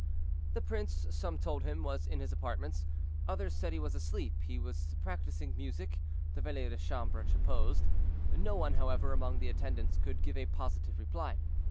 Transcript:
The prince, some told him, was in his apartments; others said he was asleep; he was practicing music, the valet de chambre supposed. No one, however, among the attendants could give a positive reply.